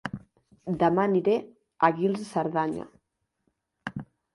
Dema aniré a Guils de Cerdanya